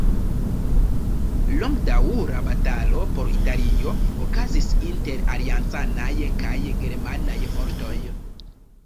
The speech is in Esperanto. Longdaŭra batalo por Italio okazis inter Aliancanaj kaj Germanaj fortoj.